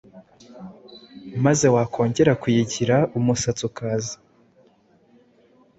maze wakongera kuyigira umusatsi ukaza